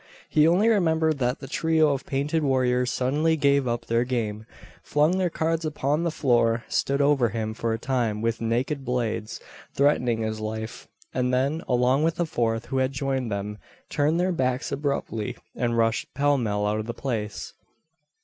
He only remembered that the trio of painted warriors suddenly gave up their game, flung their cards upon the floor, stood over him for a time with naked blades, threatening his life; and then, along with a fourth who had joined them, turned their backs abruptly, and rushed pellmell out of the place!